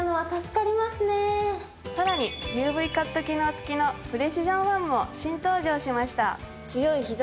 さらにＵＶカット機能付きのプレシジョンワンも新登場しました。